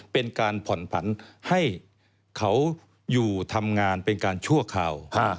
เป็นการผ่อนผันให้เขาอยู่ทำงานเป็นการชั่วคราว